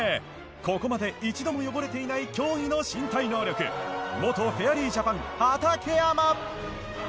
ここまで一度も汚れていない驚異の身体能力元フェアリージャパン畠山。